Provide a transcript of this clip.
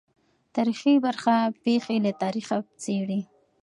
تاریخي برخه پېښې له تاریخه څېړي.